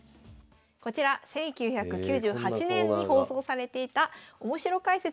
こちら１９９８年に放送されていたおもしろ解説でおなじみ